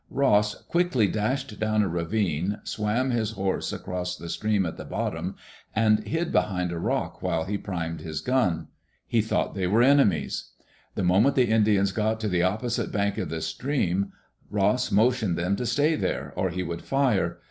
Ross quickly dashed down a ravine, swam his horse across the stream at the bottom, and hid behind a rock while he primed his gun. He thought they were enemies. The moment the Indians got to the opposite bank of the stream, Ross motioned them to stay there, or he would fire.